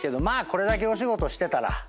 これだけお仕事してたら。